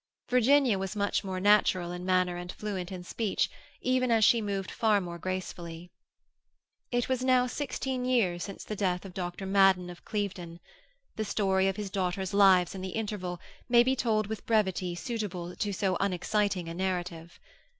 Virginia was much more natural in manner and fluent in speech, even as she moved far more gracefully. It was now sixteen years since the death of Dr. Madden of Clevedon. The story of his daughters' lives in the interval may be told with brevity suitable to so unexciting a narrative.